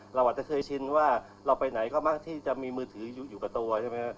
เราอาจจะเคยชินว่าเราไปไหนก็มักที่จะมีมือถืออยู่กับตัวใช่ไหมครับ